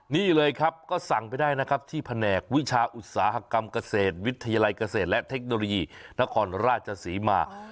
นี่เลยครับก็สั่งไปได้นะครับที่แผนกวิชาอุตสาหกรรมเกษตรวิทยาลัยเกษตรและเทคโนโลยีนครราชศรีมา